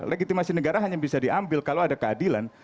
legitimasi negara hanya bisa diambil kalau ada keadilan